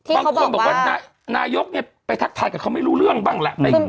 บางคนบอกว่านายกไปทักทายกับเขาไม่รู้เรื่องบ้างแหละ